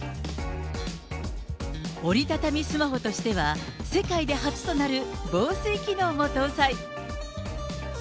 折り畳みスマホとしては、世界で初となる防水機能も搭載。